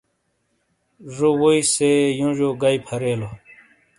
زو ووئی سے یونجیو گئیی پھریلو۔